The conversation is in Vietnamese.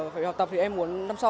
phải học tập thì em muốn năm sau